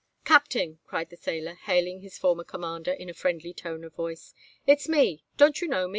"Captain!" cried the sailor, hailing his former commander in a friendly tone of voice: "it's me! Don't you know me?